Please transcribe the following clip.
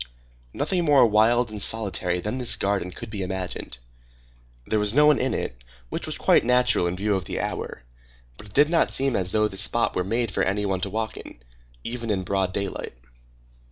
Nothing more wild and solitary than this garden could be imagined. There was no one in it, which was quite natural in view of the hour; but it did not seem as though this spot were made for any one to walk in, even in broad daylight.